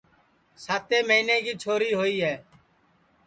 ساتیں مہینے کی چھوری ہوئی ہے